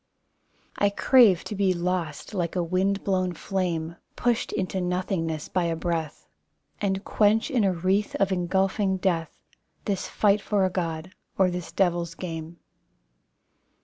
I crave to be lost like a wind blown flame. Pushed into nothingness by a breath, And quench in a wreath Of engulfing death This fight for a God, or this devil's game.